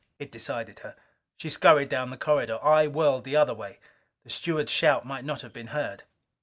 It decided her. She scurried down the corridor. I whirled the other way. The steward's shout might not have been heard.